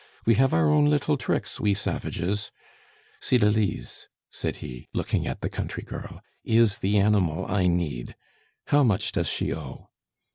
We have our own little tricks, we savages! Cydalise," said he, looking at the country girl, "is the animal I need. How much does she owe?"